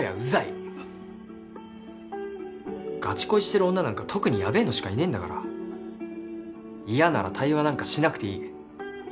うっうっガチ恋してる女なんか特にやべぇのしかいねぇんだから嫌なら対話なんかしなくていい